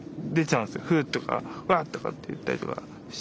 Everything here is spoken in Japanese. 「ふっ」とか「わっ」とかって言ったりとかしちゃってて。